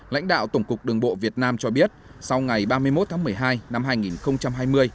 lãnh đạo tổng cục đường bộ việt nam cho biết sau ngày ba mươi một tháng một mươi hai năm hai nghìn hai mươi